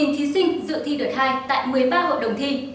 một mươi một thí sinh dựa thi đợt hai tại một mươi ba hội đồng thi